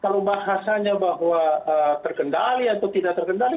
kalau bahasanya bahwa terkendali atau tidak terkendali